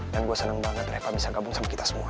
dan gue seneng banget reva bisa gabung sama kita semua